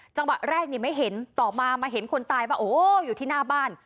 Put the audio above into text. จังหวะแรกนี่ไม่เห็นต่อมามาเห็นคนตายว่าโอ้อยู่ที่หน้าบ้าน